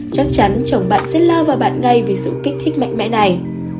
chắc chắn chồng bạn sẽ lao vào bạn ngay vì sự kích thích mạnh mẽ này